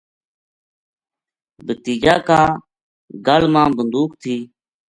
بھتیجا کا گل ما بندوق تھی۔